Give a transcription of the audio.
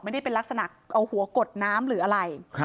ไม่ได้เป็นลักษณะเอาหัวกดน้ำหรืออะไร